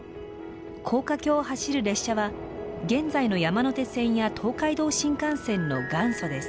高架橋を走る列車は現在の山手線や東海道新幹線の元祖です。